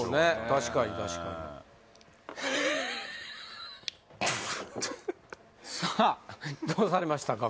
確かに確かにさあどうされましたか？